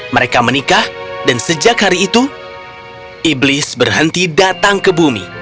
mereka menikah dan sejak hari itu iblis berhenti datang ke bumi